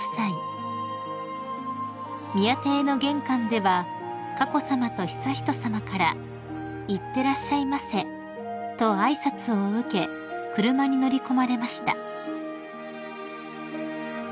［宮邸の玄関では佳子さまと悠仁さまから「いってらっしゃいませ」と挨拶を受け車に乗り込まれました］